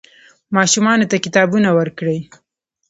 ماشومانو ته کتابونه ورکړئ.